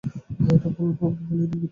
হ্যাঁ, এটা ভুল বলেনি, কিন্তু দেখো।